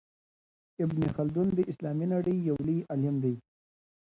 ابن خلدون د اسلامي نړۍ يو لوی عالم دی.